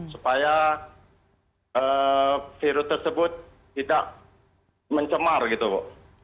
supaya virus tersebut tidak mencemar gitu bu